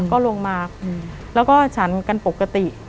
ก็ลงมาแล้วก็ฉันกันปกติ